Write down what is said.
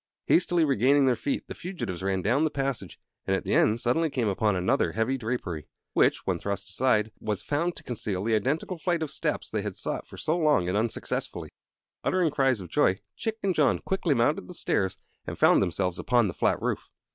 Hastily regaining their feet, the fugitives ran down the passage, and at the end came suddenly upon another heavy drapery, which, when thrust aside, was found to conceal the identical flight of steps they had sought for so long and unsuccessfully. Uttering cries of joy, Chick and John quickly mounted the stairs and found themselves upon the flat roof.